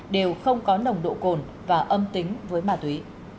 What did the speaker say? đều không có nồng độ cồn và âm tính với ma túy